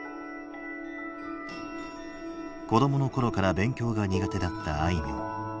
子どもの頃から勉強が苦手だったあいみょん。